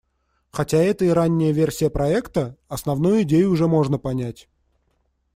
Хотя это и ранняя версия проекта, основную идею уже можно понять.